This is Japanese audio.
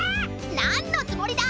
なんのつもりだ！